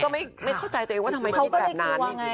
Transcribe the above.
แล้วก็ไม่เข้าใจตัวเองว่าทำไมที่แบบนั้น